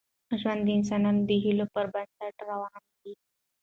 ژوند د انسان د هیلو پر بنسټ روان وي.